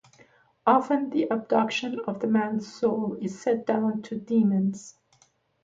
often the abduction of the man's soul is set down to demons.